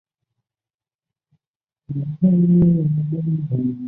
前女性色情片演员。